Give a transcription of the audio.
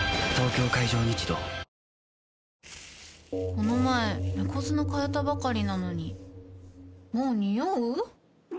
この前猫砂替えたばかりなのにもうニオう？